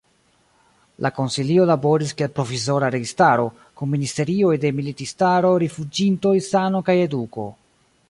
La Konsilio laboris kiel provizora registaro, kun ministerioj de militistaro, rifuĝintoj, sano kaj eduko.